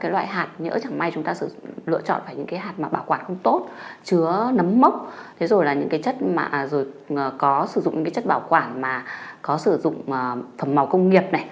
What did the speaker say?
rồi có sử dụng những chất bảo quản mà có sử dụng phẩm màu công nghiệp này